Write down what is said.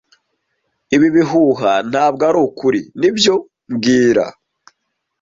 Ibi bihuha ntabwo arukuri, nibyo mbwira